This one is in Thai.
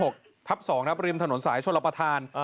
ที่๒๑๖ทัพ๒นะครับริมถนนสายชลปธาน